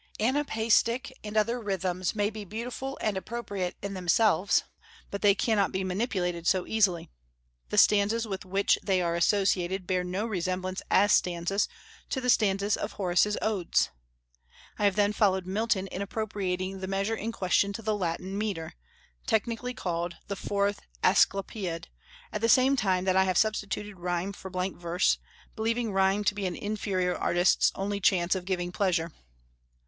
Anapaestic and other rhythms may be beautiful and appropriate in themselves, but they cannot be manipulated so easily; the stanzas with which they are associated bear no resemblance, as stanzas, to the stanzas of Horace's Odes. I have then followed Milton in appropriating the measure in question to the Latin metre, technically called the fourth Asclepiad, at the same time that I have substituted rhyme for blank verse, believing rhyme to be an inferior artist's only chance of giving pleasure.